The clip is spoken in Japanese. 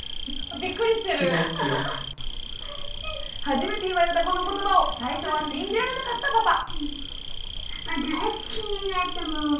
初めて言われたこの言葉を最初は信じられなかったパパ。